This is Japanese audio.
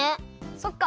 そっか！